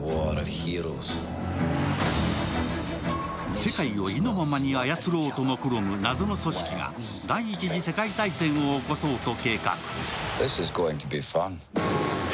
世界を意のままに操ろうともくろむ謎の組織が第一次世界大戦を起こそうと計画。